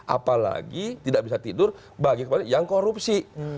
apalagi tidak bisa tidur bagi yang korupsi